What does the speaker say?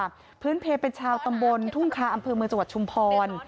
พื้นเพลเป็นชาวตำบลทุ่งคาอำเภอเมืองจังหวัดชุมพร